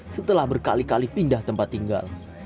setelah berkali kali pindah tempat tinggal